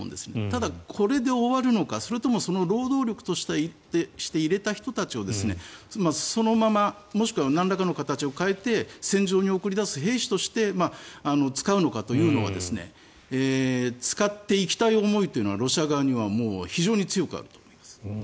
ただ、これで終わるのかそれとも労働力として入れた人たちをそのままもしくはなんらかの形を変えて戦場に送り出す兵士として使うのかというのは使っていきたい思いというのはロシア側には非常に強くあると思います。